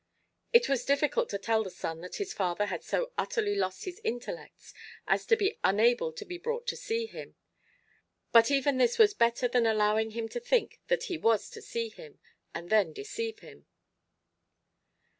It was difficult to tell the son that his father had so utterly lost his intellects as to be unable to be brought to see him; but even this was better than allowing him to think that he was to see him, and then deceive him.